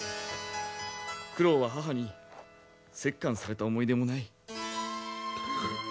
九郎は母にせっかんされた思い出もない。